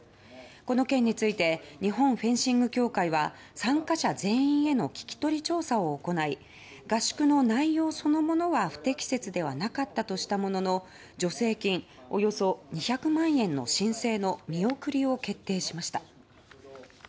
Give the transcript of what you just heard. この件について日本フェンシング協会は参加者全員への聞き取り調査を行い合宿の内容そのものは不適切ではなかったとしたものの助成金、およそ２００万円の申請の見送りを決定しました。